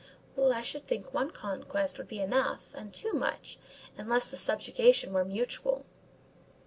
"Well, I should think one conquest would be enough; and too much, unless the subjugation were mutual."